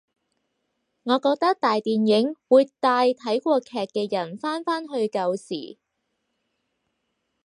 我覺得大電影會帶睇過劇嘅人返返去舊時